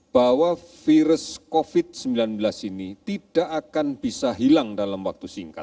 bahwa virus covid sembilan belas ini tidak hanya untuk kita